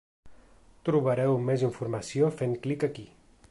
Trobareu més informació fent clic aquí.